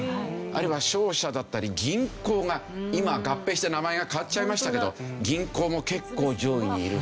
あるいは商社だったり銀行が今は合併して名前が変わっちゃいましたけど銀行も結構上位にいる。